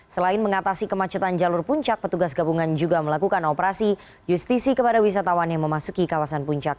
selain mengatasi kemacetan jalur puncak petugas gabungan juga melakukan operasi justisi kepada wisatawan yang memasuki kawasan puncak